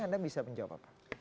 anda bisa menjawab